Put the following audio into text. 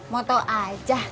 mau tau aja